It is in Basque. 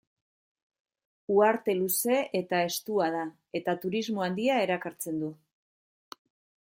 Uharte luze eta estua da eta turismo handia erakartzen du.